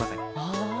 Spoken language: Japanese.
ああ。